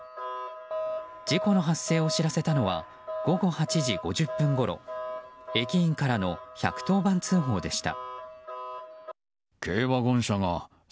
事故の発生を知らせたのは午後８時５０分ごろ駅員からの１１０番通報でした。